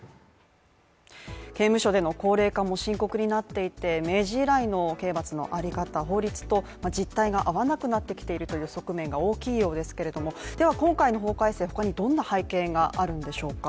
刑務所での高齢化も深刻になっていて明治以来の刑罰のあり方法律と実態が合わなくなってきているという側面が大きいようですけれども、では今回の法改正他にどんな背景があるんでしょうか？